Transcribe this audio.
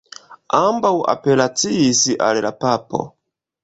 Ambaŭ apelaciis al la papo.